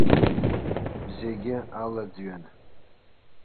Зегьы алаӡҩан.